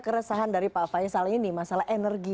keresahan dari pak faisal ini masalah energi